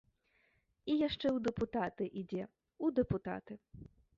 І яшчэ ў дэпутаты ідзе, у дэпутаты.